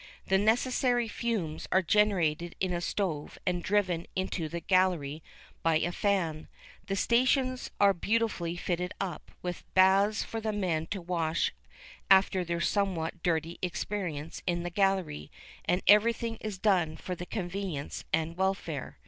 The necessary "fumes" are generated in a stove and driven into the gallery by a fan. The stations are beautifully fitted up, with baths for the men to wash after their somewhat dirty experience in the gallery, and everything is done for their convenience and welfare.